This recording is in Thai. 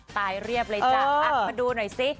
ตายเรียบเลยจ้ะอัดมาดูหน่อยสิ